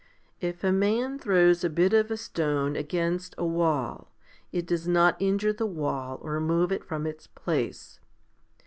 If a man throws a bit of a stone against a wall, it does not injure the wall or move it from its place.